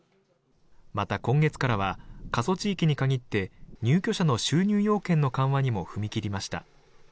また、今月からは過疎地域に限って入居者の収入要件の緩和にも踏み切りました。